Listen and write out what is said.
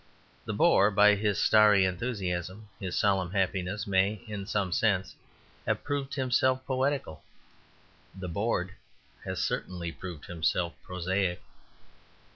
The bore, by his starry enthusiasm, his solemn happiness, may, in some sense, have proved himself poetical. The bored has certainly proved himself prosaic.